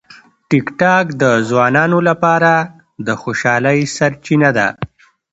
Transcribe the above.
ټیکټاک د ځوانانو لپاره د خوشالۍ سرچینه ده.